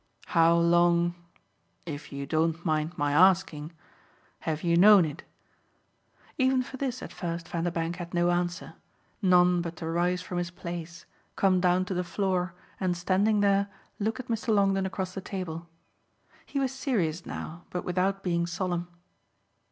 "How long if you don't mind my asking have you known it?" Even for this at first Vanderbank had no answer none but to rise from his place, come down to the floor and, standing there, look at Mr. Longdon across the table. He was serious now, but without being solemn.